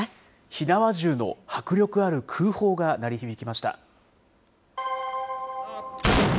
火縄銃の迫力ある空砲が鳴り響きました。